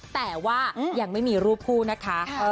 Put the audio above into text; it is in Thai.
แต่ว่ายังไม่มีรูปคู่นะคะ